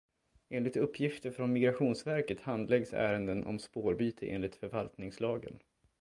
Enligt uppgifter från Migrationsverket handläggs ärenden om spårbyte enligt förvaltningslagen.